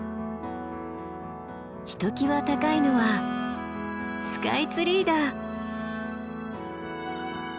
ひときわ高いのはスカイツリーだ！